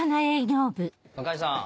向井さん。